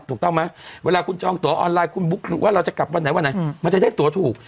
ถูกต้องไหมเวลาคุณจองตัวออนไลน์คุณบุ๊กว่าเราจะกลับวันไหนวันไหนมันจะได้ตัวถูก